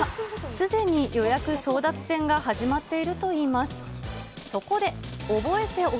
すでに予約争奪戦が始まっているといいます。